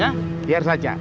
yeah biar saja